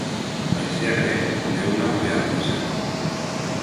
Haizeak ere leuna behar du izan.